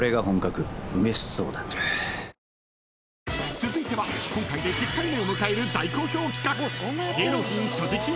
［続いては今回で１０回目を迎える大好評企画］